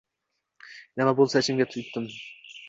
Nima bo‘lsa ichimg‘a jutdim